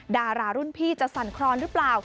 ดารารุ่นพี่จะสั่นครอนหรือเปล่า